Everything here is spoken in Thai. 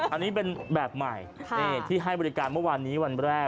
อันนี้เป็นแบบใหม่ที่ให้บริการเมื่อวานนี้วันแรก